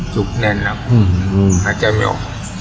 จุกแน่นอ่ะอืมอืมอาจจะไม่ออก